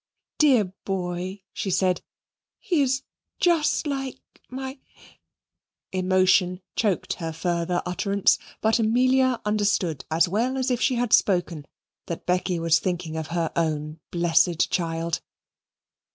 "Dear boy!" she said "he is just like my " Emotion choked her further utterance, but Amelia understood, as well as if she had spoken, that Becky was thinking of her own blessed child.